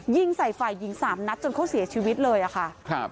ยิงใส่ฝ่ายหญิงสามนัดจนเขาเสียชีวิตเลยอะค่ะครับ